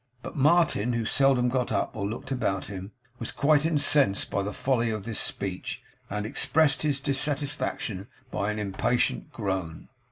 But Martin, who seldom got up or looked about him, was quite incensed by the folly of this speech, and expressed his dissatisfaction by an impatient groan.